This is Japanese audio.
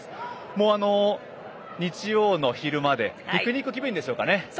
もう日曜の昼間でピクニック気分でしょうかね。